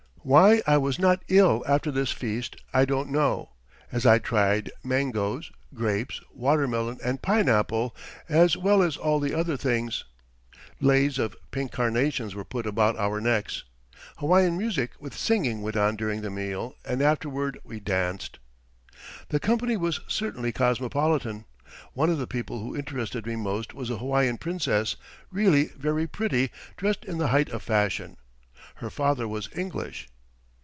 Why I was not ill after this feast I don't know, as I tried mangoes, grapes, watermelon, and pineapple, as well as all the other things. Leis of pink carnations were put about our necks. Hawaiian music with singing went on during the meal, and afterward we danced. The company was certainly cosmopolitan. One of the people who interested me most was a Hawaiian princess, really very pretty, dressed in the height of fashion. Her father was English.